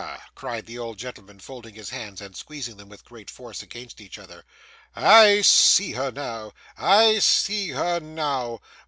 cried the old gentleman, folding his hands, and squeezing them with great force against each other. 'I see her now; I see her now!